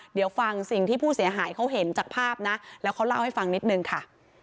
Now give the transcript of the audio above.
เดี๋ยวฟังสิ่งที่ผู้เสียหายเขาเห็นจากภาพนะแล้วเขาเล่าให้ฟังนิดนึงค่ะ